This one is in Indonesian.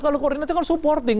kalau koordinasi kan supporting